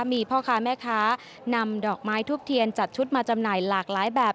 มีพ่อค้าแม่ค้านำดอกไม้ทูบเทียนจัดชุดมาจำหน่ายหลากหลายแบบ